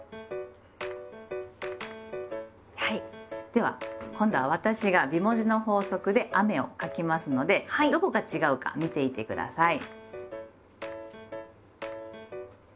では今度は私が美文字の法則で「雨」を書きますのでどこが違うか見ていて下さい。